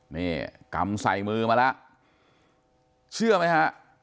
นี่กำใส่มือมาแล้วเชื่อไหมฮะ